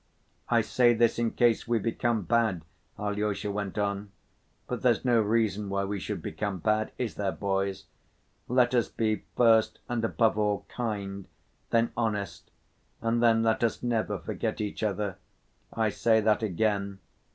"I say this in case we become bad," Alyosha went on, "but there's no reason why we should become bad, is there, boys? Let us be, first and above all, kind, then honest and then let us never forget each other! I say that again.